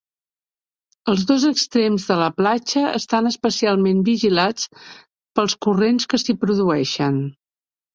Els dos extrems de la platja estan especialment vigilats pels corrents que s'hi produeixen.